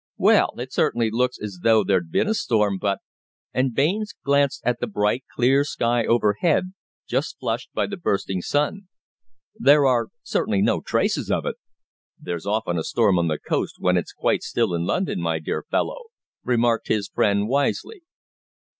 "Well, it certainly looks as though there'd been a storm, but " and Baines glanced at the bright, clear sky overhead, just flushed by the bursting sun "there are certainly no traces of it." "There's often a storm on the coast when it's quite still in London, my dear fellow," remarked his friend wisely.